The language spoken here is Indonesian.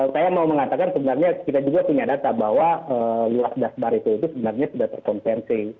saya mau mengatakan sebenarnya kita juga punya data bahwa luas dasbar itu itu sebenarnya sudah terkonversi